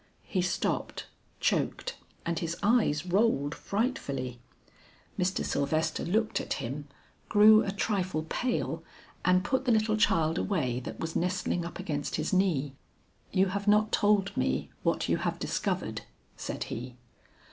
He stopped, choked, and his eyes rolled frightfully. Mr. Sylvester looked at him, grew a trifle pale, and put the little child away that was nestling up against his knee. "You have not told me what you have discovered," said he.